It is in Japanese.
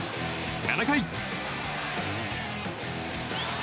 ７回。